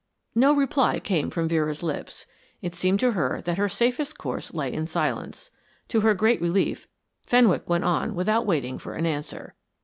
No reply came from Vera's lips. It seemed to her that her safest course lay in silence. To her great relief, Fenwick went on without waiting for an answer.